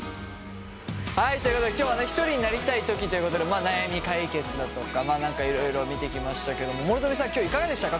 はいということで今日はひとりになりたいときということで悩み解決だとかいろいろを見てきましたけど諸富さん今日はいかがでしたか。